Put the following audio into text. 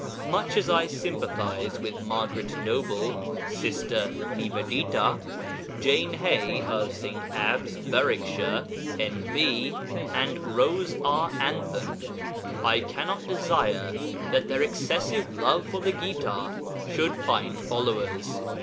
Much as I sympathize with Margaret Noble (Sister Nivedita), Jane Hay (of St. Abb's, Berwickshire, N.B.), and Rose R. Anthon, I cannot desire that their excessive love for the Gita should find followers.